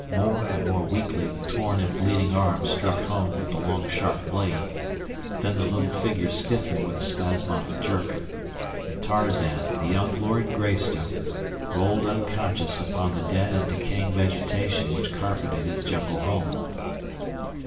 More and more weakly the torn and bleeding arm struck home with the long sharp blade, then the little figure stiffened with a spasmodic jerk, and Tarzan, the young Lord Greystoke, rolled unconscious upon the dead and decaying vegetation which carpeted his jungle home.